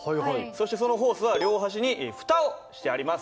そしてそのホースは両端にふたをしてあります。